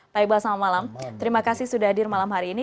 pak iqbal selamat malam terima kasih sudah hadir malam hari ini